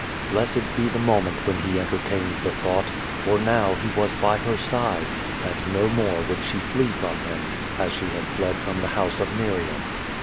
Blessed be the moment when he entertained the thought, for now he was by her side, and no more would she flee from him as she had fled from the house of Miriam.